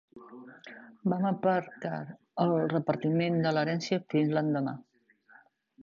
Van aparcar el repartiment de l'herència fins l'endemà.